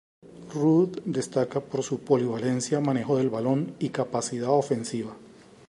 Rudd destaca por su polivalencia, manejo de balón y capacidad ofensiva.